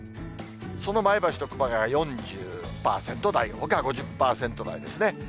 その前橋と熊谷が４０％台、ほかは５０％台ですね。